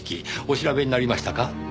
お調べになりましたか？